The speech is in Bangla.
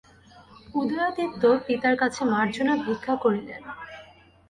উদয়াদিত্য পিতার কাছে মার্জনা ভিক্ষা করিলেন।